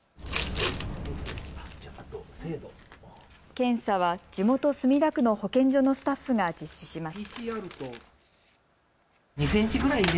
検査は地元、墨田区の保健所のスタッフが実施します。